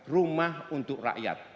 rumah untuk rakyat